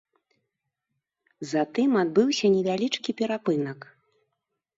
Затым адбыўся невялічкі перапынак.